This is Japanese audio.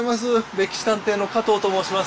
「歴史探偵」の加藤と申します。